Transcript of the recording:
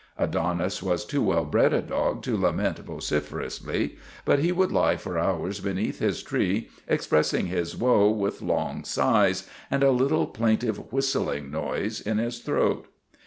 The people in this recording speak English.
Adonis was too well bred a dog to lament vocifer ously, but he would lie for hours beneath his tree expressing his woe with long sighs and a little, plaintive whistling noise in his throat.